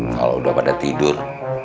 kalau udah pada tidur